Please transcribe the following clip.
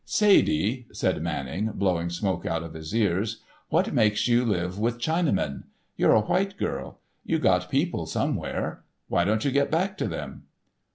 "Sadie," said Manning, blowing smoke out of his ears, "what makes you live with Chinamen? You're a white girl. You got people somewhere. Why don't you get back to them?"